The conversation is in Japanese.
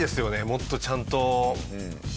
もっとちゃんと。